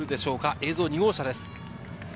映像は２号車です。